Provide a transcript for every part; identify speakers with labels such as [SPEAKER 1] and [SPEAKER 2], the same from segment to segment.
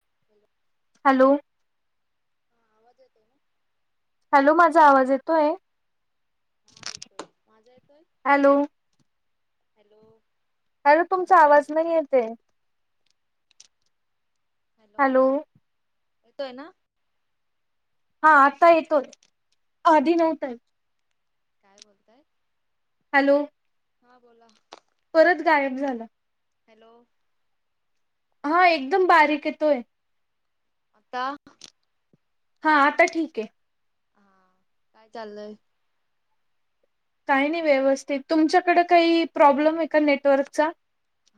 [SPEAKER 1] [inaudible]
[SPEAKER 2] Hello.
[SPEAKER 1] आवाज येतोय?
[SPEAKER 2] Hello माझा आवाज येतोय?
[SPEAKER 1] हा येतोय. माझा येतोय?
[SPEAKER 2] Hello
[SPEAKER 1] hello.
[SPEAKER 2] हॅलो तुमचा आवाज नाही येतय.
[SPEAKER 1] हॅलोे.
[SPEAKER 2] हॅलो
[SPEAKER 1] येतोय ना?
[SPEAKER 2] हा आता येतो त. आधी नव्हता येत.
[SPEAKER 1] काय बोलताय?
[SPEAKER 2] हॅलो.
[SPEAKER 1] हा बोला.
[SPEAKER 2] परत गायब झाला.
[SPEAKER 1] हॅलो.
[SPEAKER 2] हा एकदम बारीक येतोय.
[SPEAKER 1] आता
[SPEAKER 2] हा आता ठीक आहे.
[SPEAKER 1] हा काय चाललंय?
[SPEAKER 2] काही नाही व्यवस्थित, तुमच्याकडं काही प्रॉब्लेम आहे का नेटवर्कचा?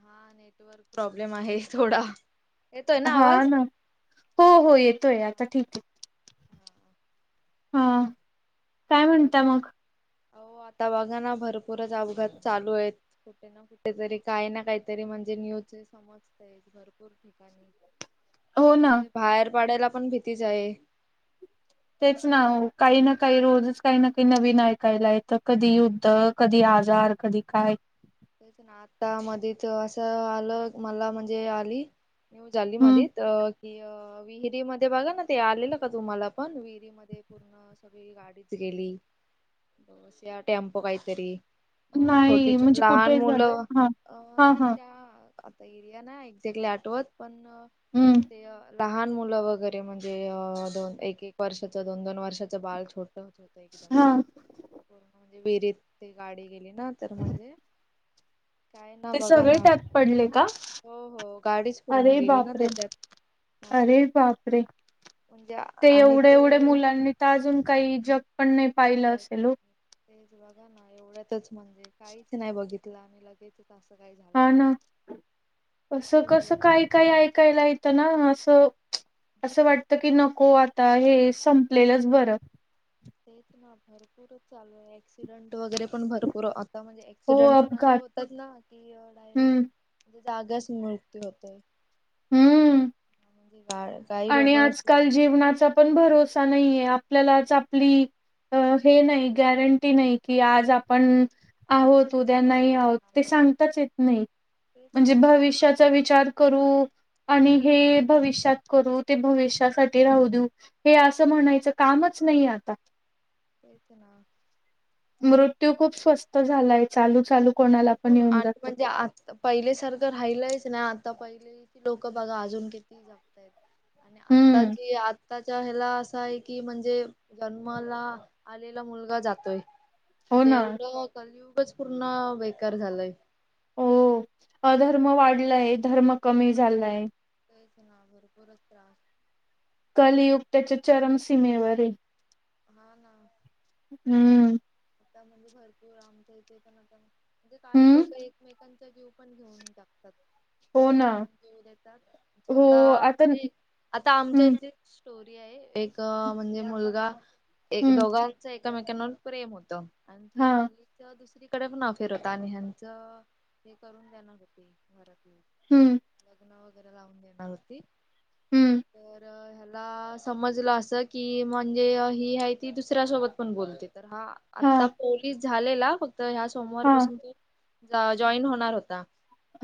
[SPEAKER 1] हा नेटवर्क प्रॉब्लेम आहे थोडा. येतोय
[SPEAKER 2] हा,
[SPEAKER 1] आवाज
[SPEAKER 2] ना. हो... हो.. येतोय
[SPEAKER 1] हा
[SPEAKER 2] आता ठीक आहे. हा काय म्हणता मग.?
[SPEAKER 1] हो आता बघा ना भरपूरच अपघात चालू आहेत. कुठेना-कुठे तरी, काय ना-काहीतरी म्हणजे न्यूज हे समजतयं. भरपूर ठिकाणी
[SPEAKER 2] हो ना
[SPEAKER 1] म्हणजे बाहेर पडायला पण भीतीच आहे.
[SPEAKER 2] तेच ना, काही ना काही रोजच काही ना काही नवीन ऐकायला येतं. कधी युद्ध कधी आजार, कधी काय.
[SPEAKER 1] तेच ना आता मध्येच असं आलं, मला म्हणजे आली. न्यू
[SPEAKER 2] हम्म
[SPEAKER 1] जालीमध्ये तर ते विहिरी मध्ये बघा ना, ते आलेलं का तुम्हांला पण विहिरीमध्ये पूर्ण अं सगळी गाडीच गेली, बस या टेम्पो कायतरी.
[SPEAKER 2] नाही म्हणजे.
[SPEAKER 1] लहान
[SPEAKER 2] कुठे झालं?
[SPEAKER 1] मुलं
[SPEAKER 2] हां.
[SPEAKER 1] अन्.
[SPEAKER 2] हां, हां.
[SPEAKER 1] त्या आता एरिया नाय एक्झॅक्टली आठवत पण
[SPEAKER 2] हं.
[SPEAKER 1] ते अ... लहान मुलं वगैरे म्हणजे दोन एक- एक वर्षाच, दोन- दोन वर्षाचं बाळ छोटं-छोट. होतं एकदम
[SPEAKER 2] हां.
[SPEAKER 1] पूर्ण म्हणजे विहिरीत ते गाडी गेली ना, तर म्हणजे काय ना
[SPEAKER 2] ते
[SPEAKER 1] बघा
[SPEAKER 2] सगळे
[SPEAKER 1] ना
[SPEAKER 2] त्यात पडले का?
[SPEAKER 1] हो हो गाडीच पूर्ण
[SPEAKER 2] अरे
[SPEAKER 1] गेली ना
[SPEAKER 2] बापरे!
[SPEAKER 1] त्याच्यात हा
[SPEAKER 2] अरे बापरे!
[SPEAKER 1] म्हणजे
[SPEAKER 2] ते
[SPEAKER 1] आणि
[SPEAKER 2] एवढ्या-एवढ्या
[SPEAKER 1] ते
[SPEAKER 2] मुलांनी त अजून काही जग पण नाही पाहिलं
[SPEAKER 1] बघ
[SPEAKER 2] असेल वो.
[SPEAKER 1] तेच बघा ना, एवढ्यातच म्हणजे काहीच नाही बघितलं लगेचच असं. काही झालं
[SPEAKER 2] हा, ना. असं
[SPEAKER 1] किती
[SPEAKER 2] -कसं,
[SPEAKER 1] वेदना
[SPEAKER 2] काही
[SPEAKER 1] झाल्या
[SPEAKER 2] -काही
[SPEAKER 1] असतील
[SPEAKER 2] ऐकायला येतं ना असं. असं वाटतं की नको आता, हे संपलेलंच बरं.
[SPEAKER 1] तेच ना भरपूरच चालू आहे ऍक्सिडेंट वगैरे पण भरपूर आ त्यामध्ये
[SPEAKER 2] हो
[SPEAKER 1] ऍक्सिडेंट पण असे
[SPEAKER 2] अपघात.
[SPEAKER 1] होतात ना की डायरेक्ट
[SPEAKER 2] हं.
[SPEAKER 1] म्हणजे जागच मृत्यू होतंय
[SPEAKER 2] हं.
[SPEAKER 1] म्हणजे बाळ
[SPEAKER 2] आणि आजकाल जीवनाचा पण भरोसा नाहीे आपल्यालाच आपली अ हे नाही गॅरंटी नाही कि, आज आपण आहोत उद्या,
[SPEAKER 1] हो
[SPEAKER 2] नाही
[SPEAKER 1] होत
[SPEAKER 2] आहोत. ते
[SPEAKER 1] होत
[SPEAKER 2] सांगताच येत नाही
[SPEAKER 1] तेच
[SPEAKER 2] म्हणजे
[SPEAKER 1] ना
[SPEAKER 2] भविष्याचा विचार करू आणि हे भविष्यात करू ते भविष्यासाठी राहू देऊ, हे असं म्हणायचं कामंच नाही आता.
[SPEAKER 1] तेच ना.
[SPEAKER 2] मृत्यू खूप स्वस्त झालायं चालू -चालू कोणाला पण येऊन जातो.
[SPEAKER 1] पहिले सारखं राहिलंयच नाही, आता पहिलेचे लोकं बघा अजून किती जगतायेत. आणि
[SPEAKER 2] हम्म.
[SPEAKER 1] आताची आज आताच्या ह्याला असा आहे की, म्हणजे जन्माला आलेला मुलगा जातोय,
[SPEAKER 2] हो
[SPEAKER 1] म्हणजे
[SPEAKER 2] ना.
[SPEAKER 1] एवढं कलयुगचं पूर्ण बेकार झालंय.
[SPEAKER 2] हो अधर्म वाढलाय. धर्म कमी झालाय.
[SPEAKER 1] तेच ना भरपूरच त्रास.
[SPEAKER 2] कलयुग त्याच्या चरम सीमेवर आहे.
[SPEAKER 1] हा ना,
[SPEAKER 2] हम्म,
[SPEAKER 1] ते म्हणजे भरपूर आमच्याइथे पण म्हणजे काही
[SPEAKER 2] हं,
[SPEAKER 1] लोक एकमेकांना. ते जीव पण घेऊन टाकतात.
[SPEAKER 2] हो ना.
[SPEAKER 1] स्वतः पण जीव देतात
[SPEAKER 2] हो
[SPEAKER 1] स्वतः
[SPEAKER 2] आता
[SPEAKER 1] म्हणजे आता आमच्या
[SPEAKER 2] हं,
[SPEAKER 1] इथे. स्टोरी आहे. एक म्हणजे मुलगा एक
[SPEAKER 2] हं,
[SPEAKER 1] दोघांचा एकमेकांवर प्रेम होत. त आणि ती
[SPEAKER 2] हां,
[SPEAKER 1] मुलगी. तीच दुसरीकडे पण अफेअर होता आणि ह्यांचं हे करून देणार होते घरातले.
[SPEAKER 2] हम्म,
[SPEAKER 1] लग्न वगैरे लावून देणार होती
[SPEAKER 2] हं,
[SPEAKER 1] तर ह्याला. ह्याला समजलं अस की, म्हणजे ही आहे ती दुसऱ्यासोबत पण बोलते तर हा, आता
[SPEAKER 2] हां,
[SPEAKER 1] पोलीस झालेला. फक्त ह्या सोमवार
[SPEAKER 2] हां,
[SPEAKER 1] पासून तो जॉईन होणार होता.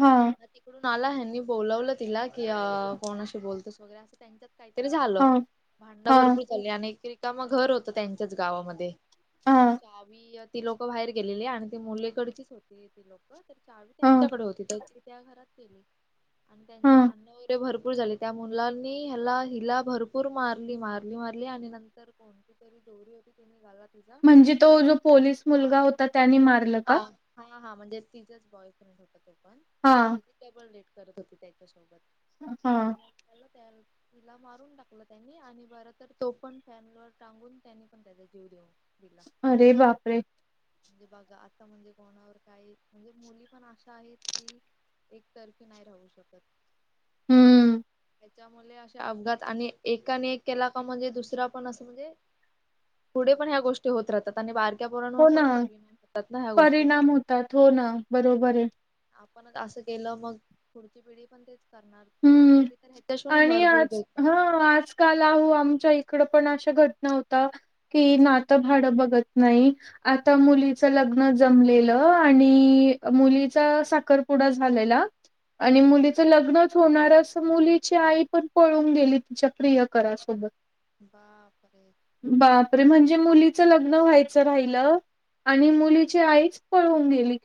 [SPEAKER 2] हा,
[SPEAKER 1] तिकडून आला ह्यांनी बोलावलं तिला की, अ कोणाशी बोलतेस वगैरे असं त्यांच्या काहीतरी झालं
[SPEAKER 2] हां,
[SPEAKER 1] भांडण
[SPEAKER 2] हां,
[SPEAKER 1] भरपूर झाली आणि एक रिकाम घर होतं त्यांच्याच गावामध्ये. तर
[SPEAKER 2] हां,
[SPEAKER 1] चावी ती लोक बाहेर गेलेली आणि ती मुलीकडचीच होती ती लोक. चावी
[SPEAKER 2] हां,
[SPEAKER 1] त्यांच्याकडे होती. त्या घरात गेली आणि त्यांची
[SPEAKER 2] हां.
[SPEAKER 1] भांडण वगैरे भरपूर झाली. त्या मुलांनी ह्याला हिला भरपूर मारली मारली मारली आणि नंतर कोणती. तरी दोरी होती तिने गळा तिचा.
[SPEAKER 2] म्हणजे तो
[SPEAKER 1] आपण
[SPEAKER 2] जो पोलीस
[SPEAKER 1] हा
[SPEAKER 2] मुलगा होता त्याने मारला का?
[SPEAKER 1] हा हा हा, म्हणजे तिचाच बॉयफ्रेंड होता तो पण
[SPEAKER 2] हा,
[SPEAKER 1] ते पण डबल डेट करत होती त्याच्यासोबत
[SPEAKER 2] हां.
[SPEAKER 1] आणि मग त्याला त्या. तिला मारून टाकलं त्यांनी आणि बर तर तो पण फॅन वर टांगून त्यांनी पण त्याचा जीव देऊन टाकला.
[SPEAKER 2] अरे बापरे!
[SPEAKER 1] म्हणजे बघा आता म्हणजे कोणावर काही म्हणजे मुली पण अशा आहेत की, एकतर्फी नाही राहू शकत.
[SPEAKER 2] हम्म,
[SPEAKER 1] त्याच्यामुळे असे अपघात आणि एकाने एक केला का म्हणजे दुसरा पण असं म्हणजे. पुढे पण ह्या गोष्टी होत राहतात आणि बारक्या पोरांवर
[SPEAKER 2] हो
[SPEAKER 1] पण परिणाम होतात ना ह्या गोष्टीचा.
[SPEAKER 2] तात हो ना, बरोबर आहे.
[SPEAKER 1] आपणच असं केलं मग पुढची पिढी पण तेच. करणार पुढची
[SPEAKER 2] हं.
[SPEAKER 1] पिढी तर ह्याच्याहून भरपूर काहीतरी करणार.
[SPEAKER 2] काल आहू आमच्या इकड पण अशा घटना होता की, नातं भाडं बघत नाही. आता मुलीच लग्न जमलेलं आणि मुलीचा साखरपुडा. पुडा झालेला आणि मुलीचं लग्न. होणाऱ्या अस मुलीची आई पण पळून गेली तिच्या प्रियकरासोबत.
[SPEAKER 1] बापरे.
[SPEAKER 2] बापरे म्हणजे मुलीचं लग्न व्हायचं राहिलं आणि मुलीची आईच. पळून गेली.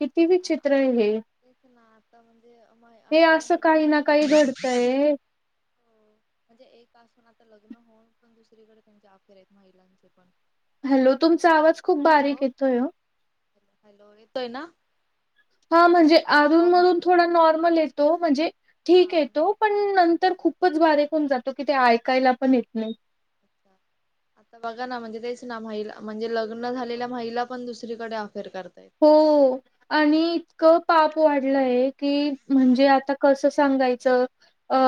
[SPEAKER 1] हा
[SPEAKER 2] विचित्र आहे हे.
[SPEAKER 1] तेच ना आता म्हणजे म
[SPEAKER 2] हे
[SPEAKER 1] अशा
[SPEAKER 2] असं
[SPEAKER 1] महिला काही
[SPEAKER 2] ना
[SPEAKER 1] का,
[SPEAKER 2] काही घडतय.
[SPEAKER 1] हम, म्हणजे एक असून आता लग्न होऊन पण दुसरीकडे त्यांचे अफेर आहेत महिलांचे पण
[SPEAKER 2] हॅलो तुमचा आवाज खूप बारीक
[SPEAKER 1] हॅलो
[SPEAKER 2] येतोय ओ
[SPEAKER 1] हॅलो येतोय ना?
[SPEAKER 2] हा म्हणजे अधून
[SPEAKER 1] अहो म्हण
[SPEAKER 2] मधून थोडा नॉर्मल येतो म्हणजे ठीक
[SPEAKER 1] हा
[SPEAKER 2] येतो
[SPEAKER 1] नेट
[SPEAKER 2] पण नं तर खूपच बारीक होऊन जातो की तो ऐकायला पण येत नाही
[SPEAKER 1] अच्छा आता बघा ना म्हणजे तेच ना महिला म्हणजे लग्न झालेल्या महिला पण दुसरीकडे अफेअर करतायत
[SPEAKER 2] हो आणि इतकं पाप वाढलंय कि म्हणजे आता कसं सांगायचं अ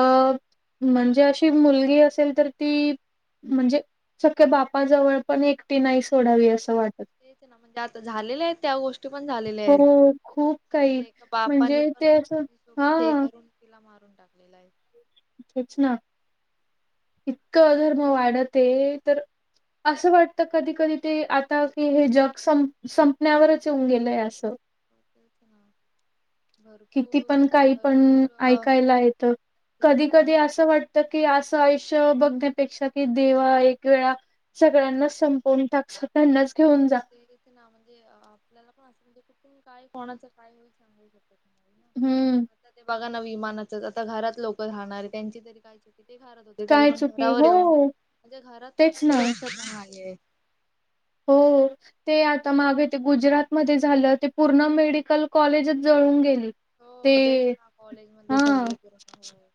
[SPEAKER 2] म्हणजे अशी मुलगी असेल तर ती म्हणजे सख्या बापाजवळ पण एकटी नाही
[SPEAKER 1] हो
[SPEAKER 2] सोडावी
[SPEAKER 1] हो
[SPEAKER 2] असं वाटत
[SPEAKER 1] तेच ना म्हणजे आता झालेल्या आहेत त्या गो ष्टी पण झालेल्या आहेत
[SPEAKER 2] हो, खूप काही
[SPEAKER 1] म्हणजे एका बापानी
[SPEAKER 2] म्हणजे
[SPEAKER 1] पण
[SPEAKER 2] ते असं
[SPEAKER 1] सोबत हे
[SPEAKER 2] हां,
[SPEAKER 1] करून तिला मारून टाकलेल आहे.
[SPEAKER 2] तेच ना इतकं अधर्म वाढत आहे तर असं वाटतं कधी कधी ते आता की हे जग सं संपण्यावरच येऊन गेलंय असं
[SPEAKER 1] हा.
[SPEAKER 2] किती पण काही पण
[SPEAKER 1] अ,
[SPEAKER 2] ऐकायला येत कधी
[SPEAKER 1] किती
[SPEAKER 2] कधी
[SPEAKER 1] काय
[SPEAKER 2] असं वाट त की असं आयुष्य बघण्यापेक्षा कि देवा एक वेळा सगळ्यांना सं पवून टाक सगळयांनाचं घेऊन जा.
[SPEAKER 1] तेच ना म्हणजे अह आपल्याला पण असं म्हणजे कुठून काय कोणाचं काय होईल सांगू शकत नाही
[SPEAKER 2] हम्म
[SPEAKER 1] आता ते बघाना विमानाचच आता घरात लोक राहणार आहे त्यांची तरी काय चूक ते घरात हो ते तरी
[SPEAKER 2] काय
[SPEAKER 1] पण
[SPEAKER 2] चुकी
[SPEAKER 1] घरावर
[SPEAKER 2] हो
[SPEAKER 1] येऊन म्हणजे घरात पण
[SPEAKER 2] तेच ना
[SPEAKER 1] सुरक्षा नाहीए.
[SPEAKER 2] हो. ते आता मागे ते गुजरात मध्ये झालं ते पूर्ण मेडिकल कॉलेजच जळून गेली. ते
[SPEAKER 1] हो तेच ना कॉलेज मध्ये
[SPEAKER 2] हा
[SPEAKER 1] सगळे पोरांना होय.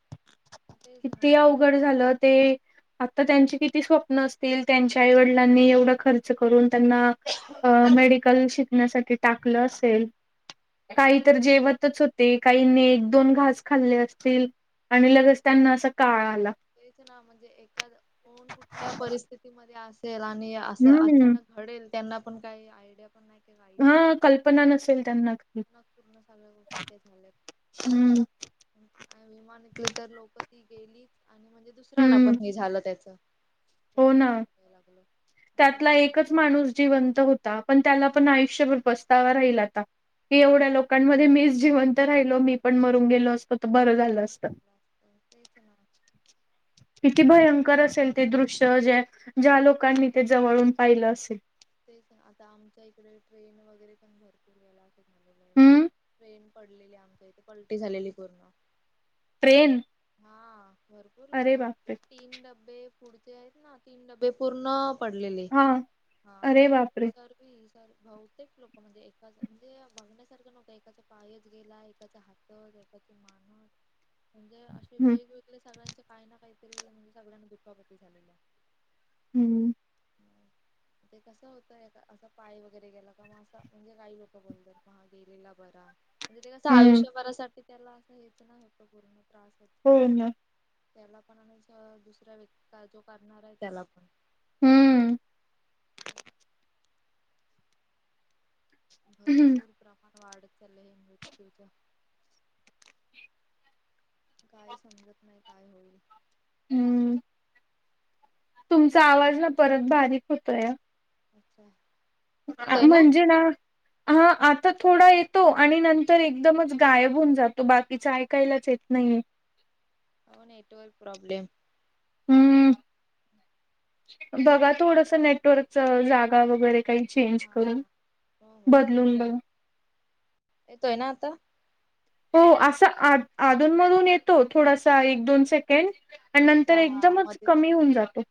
[SPEAKER 2] किती अवघड झालं ते आता त्यांचे किती स्वप्न असतील त्यांच्या आईवडिलांनी एवढा ख र्च करून त्यांना अह मेडिकल शिकण्यासाठी टाकल असेल. काही तर जेवतच होते, काहींनी एक दोन घास खाल्ले असतील आणि लगेच त्यांना असा काळ आला.
[SPEAKER 1] तेच ना म्हणजे एखाद कोण कुठल्या परिस्थितीमध्ये असेल आणि असं
[SPEAKER 2] हम्म
[SPEAKER 1] अचानक घडेल त्यांना पण काही आयडिया पण नाही की
[SPEAKER 2] हां कल्पना नसेल त्यांना.
[SPEAKER 1] न पूर्ण सगळ्या गोष्टी ते झाल्यात
[SPEAKER 2] हम्म
[SPEAKER 1] आणि विमानातली तर लोक ती गेलीच आणि म्हणजे दुसऱ्यांना
[SPEAKER 2] हम्म
[SPEAKER 1] पण हे झालं त्याच.
[SPEAKER 2] हो ना.
[SPEAKER 1] ते लागल
[SPEAKER 2] त्यातला एकच माणूस जिवंत होता पण त्याला पण आयुष्यभर पचतावा राहील आता. की
[SPEAKER 1] तेच
[SPEAKER 2] एवढ्या लोकांमध्ये मीच जिवंत राहिलो मी पण मरून गेलो असतो तर बरं झालं असतं
[SPEAKER 1] तेच ना
[SPEAKER 2] किती
[SPEAKER 1] शाळेत
[SPEAKER 2] भयंकर असेल ते दृश्य जे आहे. ज्या लोकांनी ते जवळून पाहिलं असेल
[SPEAKER 1] तेच आता आमच्या इकडे ट्रेन वगैरे पण भरपूर गेला असेल.
[SPEAKER 2] हम्म
[SPEAKER 1] ट्रेन पडलेली आमच्या इथे पलटी झालेली पूर्ण.
[SPEAKER 2] ट्रेन?
[SPEAKER 1] हा, भरपूर लोक
[SPEAKER 2] अरे
[SPEAKER 1] होती
[SPEAKER 2] बापरे
[SPEAKER 1] तीन डब्बे पुढचे आहेत ना तीन डबे पूर्ण पडलेले
[SPEAKER 2] हा
[SPEAKER 1] हा मग
[SPEAKER 2] अरे बापरे
[SPEAKER 1] ते सर बहुतेक लोक म्हणजे एकाच म्हणजे बघण्यासारखं नव्हतं म्हणजे एकाचा पायच गेला एकाचा हात [inaudible] म्हणजे अशे
[SPEAKER 2] हम्म
[SPEAKER 1] वेगवेगळे सगळ्यांचे काही ना काहीतरी म्हणजे सगळ्यांना दुखापती झालेल्या
[SPEAKER 2] हम्म
[SPEAKER 1] [inaudible] ते कसं होतं एक असं पाय वगैरे गेला का म असं म्हणजे काही लोक बोलतात म हा गेलेला बरा म्हणजे ते कसं
[SPEAKER 2] हम्म
[SPEAKER 1] आयुष्यभरासाठी त्याला असं हेच नाही होतं पूर्ण त्रास हो
[SPEAKER 2] हो ना
[SPEAKER 1] त्याला पण आणि दुसऱ्या व्यक्ती जो करणार आहे त्याला पण
[SPEAKER 2] हम्म
[SPEAKER 1] भरपूर प्रमाण वाढत चाललय हे मृत्यूच काय समजत नाही काय होईल.
[SPEAKER 2] हम्म तुमचा आवाज ना परत बारीक होतोय.
[SPEAKER 1] अच्छा!
[SPEAKER 2] म्हणजे ना
[SPEAKER 1] [unintelligible]
[SPEAKER 2] हा आता थोडा येतो आणि नंतर एकदमच गायब होऊन जातो बाकीच ऐकायलाच येत नाहीये.
[SPEAKER 1] हो नेटवर्क प्रॉब्लेम
[SPEAKER 2] हम्म बघा थोडस नेटवर्कच जागा वगैरे काही
[SPEAKER 1] हा
[SPEAKER 2] चेंज
[SPEAKER 1] हा
[SPEAKER 2] करून
[SPEAKER 1] हा. हो हो.
[SPEAKER 2] बदलून बघा
[SPEAKER 1] येतोय ना आता
[SPEAKER 2] हो असा आ आधून मधून येतो थोडासा एक दोन से सेकेंड आणि नंतर
[SPEAKER 1] अच्छा हा
[SPEAKER 2] एकदमच
[SPEAKER 1] मध्येच
[SPEAKER 2] कमी
[SPEAKER 1] जात
[SPEAKER 2] होऊन जातो.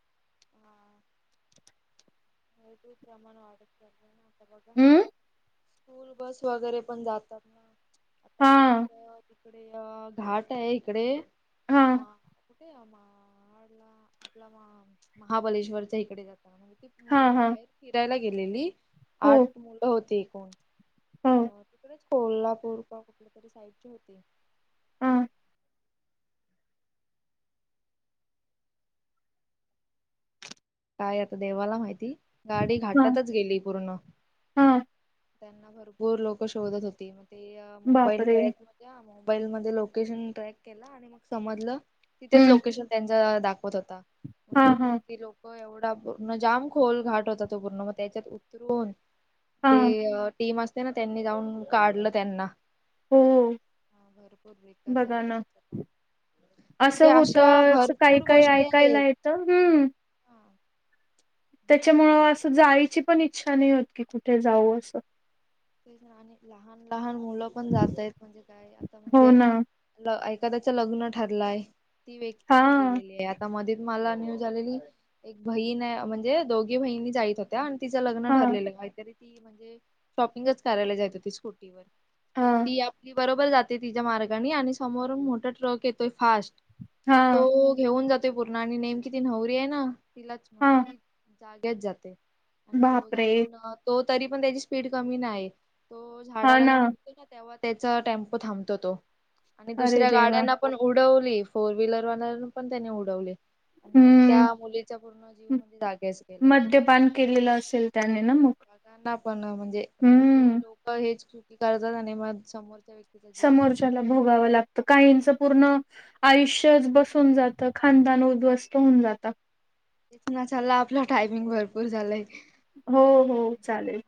[SPEAKER 1] मृत्यूच प्रमाण वाढत चाललंय
[SPEAKER 2] हम्म
[SPEAKER 1] स्कूल बस वगैरे पण जातात ना आता मधी
[SPEAKER 2] हा
[SPEAKER 1] तर इकडे अ घाट आहे इकडे
[SPEAKER 2] हा
[SPEAKER 1] वा ते म्हाडला आपला महाबलेश्वरच्या इकडे जाताना म्हणजे ती
[SPEAKER 2] हा
[SPEAKER 1] मुलं
[SPEAKER 2] हा
[SPEAKER 1] बाहेर फिरायला गेलेली
[SPEAKER 2] हो
[SPEAKER 1] आठ मुलं होती एकूण
[SPEAKER 2] हो
[SPEAKER 1] अ तिकडेच कोल्हापूर का कुठल्या तरी साईडची होती.
[SPEAKER 2] हा
[SPEAKER 1] काय आता देवाला माहिती गाडी
[SPEAKER 2] हा
[SPEAKER 1] घाटातच गेली पूर्ण
[SPEAKER 2] हा
[SPEAKER 1] त्यांना भरपूर लोक शोधत होती मग ते मोबाईल
[SPEAKER 2] बापरे
[SPEAKER 1] ट्रॅक त्या मोबाईल मध्ये लोकेशन ट्रॅक केला आणि मग समजलं तिथेच
[SPEAKER 2] हम्म
[SPEAKER 1] लोकेशन त्यांचा दाखवत होता मग
[SPEAKER 2] हा हा
[SPEAKER 1] तिथे ती लोक हो एवढा पूर्ण जाम खोल घाट होता तो पूर्ण मग त्याच्यात उतरून
[SPEAKER 2] हा
[SPEAKER 1] ते टीम असते ना त्यांनी जाऊन काढलं त्यांना
[SPEAKER 2] हो
[SPEAKER 1] हा भरपूर बेक्कार
[SPEAKER 2] बघा
[SPEAKER 1] झालं
[SPEAKER 2] ना
[SPEAKER 1] त्यांचं पण म्हणजे
[SPEAKER 2] असं
[SPEAKER 1] अशा भरपूर गोष्टी आहेत.
[SPEAKER 2] त हम्म
[SPEAKER 1] हा
[SPEAKER 2] त्याच्यामुळ
[SPEAKER 1] भरपूर
[SPEAKER 2] असं जाईची पण इच्छा नाही होत की कुठे जाऊ असं
[SPEAKER 1] ते आणि लहान लहान मुलं पण जाताय म्हणजे काय आता
[SPEAKER 2] हो
[SPEAKER 1] म्हणजे
[SPEAKER 2] ना
[SPEAKER 1] ल एखाद्याच लग्न ठरलाय, ती व्यक्ती
[SPEAKER 2] हा
[SPEAKER 1] पण गेलेली आहे आता मध्ये मला न्यूज आलेली एक बहीण ये म्हणजे दोघी बहिणी जाईत होत्या. तिचं लग्न
[SPEAKER 2] हा
[SPEAKER 1] ठरलेलं काहीतरी ती म्हणजे शॉपिंगच करायला जात होती स्कूटीवर तर
[SPEAKER 2] हा
[SPEAKER 1] ती आपली बरोबर जाते तिच्या मार्गानी, आणि समोरून मोठा ट्रक येतोय फास्ट.
[SPEAKER 2] हा
[SPEAKER 1] तो घेऊन जात तो पूर्ण, आणि नेमकी ती नवरी आहे ना तिलाच, म्हणजे
[SPEAKER 2] हा
[SPEAKER 1] ती जाग्याच जाते. आणि तो
[SPEAKER 2] बापरे
[SPEAKER 1] जाऊन, अ तो तरी पण त्याची स्पीड कमी नाय. तो
[SPEAKER 2] हा
[SPEAKER 1] झाडाला
[SPEAKER 2] ना
[SPEAKER 1] जाऊन [unintelligible] तेव्हा त्याचा टेम्पो थांबतो. तो आणि
[SPEAKER 2] अरे
[SPEAKER 1] दुसऱ्या
[SPEAKER 2] देवा
[SPEAKER 1] गाड्यांना पण उडवली, फोर व्हीलरवाल्याला पण त्यानी उडवली.
[SPEAKER 2] हम्म
[SPEAKER 1] त्या मुलीचा पूर्ण जीव म्हणजे जागेच गेला.
[SPEAKER 2] मद्यपान केलेलं असेल त्यानी ना मग.
[SPEAKER 1] बघांना पण, म्हणजे म्हणजे ते
[SPEAKER 2] हम्म
[SPEAKER 1] लोक हेच चुकी करतात आणि मग समोरच्या व्यक्ती
[SPEAKER 2] समोरच्याला भोगावं लागतं. काहींचं पूर्ण आयुष्यच बसून जातं. खानदान उद्ध्वस्त होऊन जातं.
[SPEAKER 1] तेच ना, चला आपला टायमिंग भरपूर झालंय.
[SPEAKER 2] हो हो, चालेल.